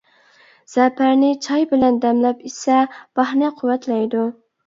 زەپەرنى چاي بىلەن دەملەپ ئىچسە، باھنى قۇۋۋەتلەيدۇ.